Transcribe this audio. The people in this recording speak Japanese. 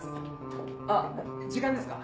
・あっ時間ですか？